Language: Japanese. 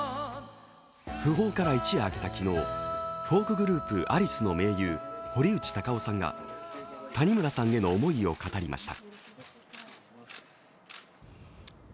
訃報から一夜明けた昨日、フォークグループ、アリスの盟友、堀内孝雄さんが谷村さんへの思いを語りました。